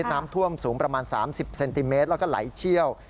น้ำท่วมสูงประมาณ๓๐เซนติเมตรแล้วก็ไหลเชี่ยว